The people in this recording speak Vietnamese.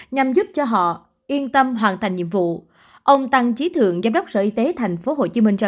nhằm giúp cho họ yên tâm hoàn thành nhiệm vụ ông tăng trí thượng giám đốc sở y tế tp hcm cho